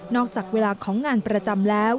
จากเวลาของงานประจำแล้ว